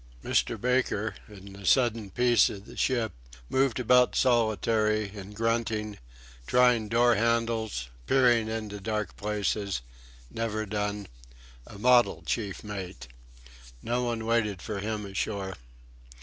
Mr. Baker, in the sudden peace of the ship, moved about solitary and grunting, trying door handles, peering into dark places, never done a model chief mate! No one waited for him ashore.